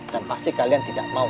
dan pasti kalian tidak mau